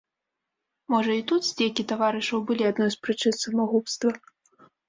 Можа, і тут здзекі таварышаў былі адной з прычын самагубства?